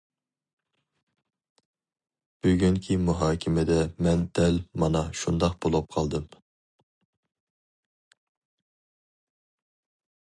بۈگۈنكى مۇھاكىمىدە مەن دەل مانا شۇنداق بولۇپ قالدىم.